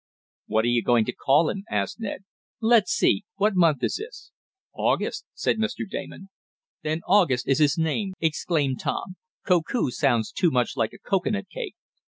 "What are you going to call him?" asked Ned. "Let's see, what month is this?" "August," said Mr. Damon. "Then August is his name!" exclaimed Tom. "Koku sounds too much like a cocoanut cake.